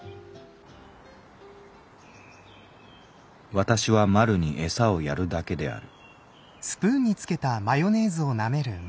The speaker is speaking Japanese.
「私はまるに餌をやるだけである」。